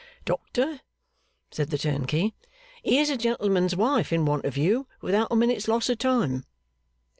'Doctor,' said the turnkey, 'here's a gentleman's wife in want of you without a minute's loss of time!